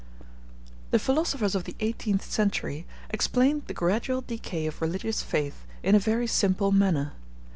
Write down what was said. The philosophers of the eighteenth century explained the gradual decay of religious faith in a very simple manner.